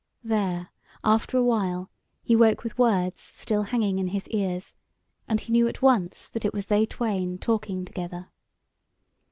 There, after a while, he woke with words still hanging in his ears, and he knew at once that it was they twain talking together.